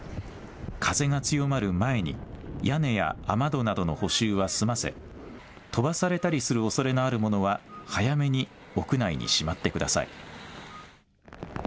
風が強まる前に屋根や雨戸などの補修は済ませ飛ばされたりするおそれのある物は早めに屋内にしまってください。